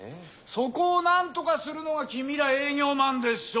そこをなんとかするのがキミら営業マンでしょ。